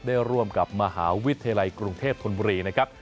ร่วมกับมหาวิทยาลัยกรุงเทพธนบุรีนะครับ